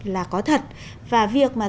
là có thật và việc mà